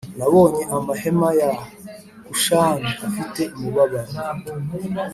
Nabonye amahema ya Kushani afite umubabaro